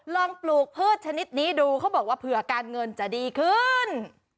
ปลูกพืชชนิดนี้ดูเขาบอกว่าเผื่อการเงินจะดีขึ้น